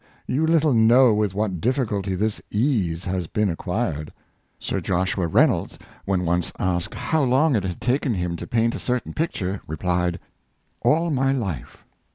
you little know with what difficulty this ease has been acquired." Sir Joshua Reynolds, when once asked how long it had taken him to paint a certain picture, replied, " All my life."